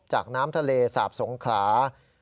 น้ำทะเลสาบสงขลา